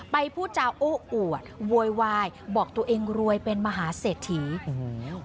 ไปพูดเจ้าโอ๊ะอะโวยวายบอกตัวเองรวยเป็นมหาเสถีย์